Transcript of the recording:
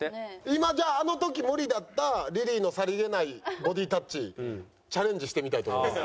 今じゃああの時無理だったリリーのさりげないボディータッチチャレンジしてみたいと思います。